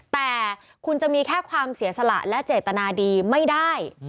แต่คุณจะมีแค่ความเสียสละและเจตนาดีไม่ได้